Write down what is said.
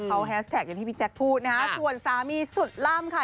เขาแฮสแท็กอย่างที่พี่แจ๊คพูดนะฮะส่วนสามีสุดล่ำค่ะ